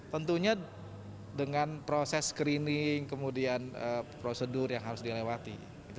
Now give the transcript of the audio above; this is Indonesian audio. tentunya dengan proses screening kemudian prosedur yang harus dilewati